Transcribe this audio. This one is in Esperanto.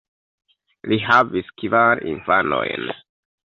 Li havis kvar infanojn.